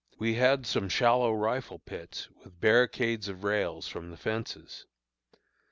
"We had some shallow rifle pits, with barricades of rails from the fences.